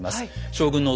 将軍の。